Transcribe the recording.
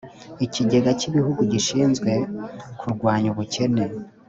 Ikigega cy’ Ibihugu gishinzwe kurwanya ubukene